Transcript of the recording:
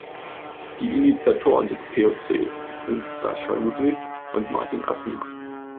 Die Initiatoren des PoC sind Sascha Ludwig und Martin Assenmacher.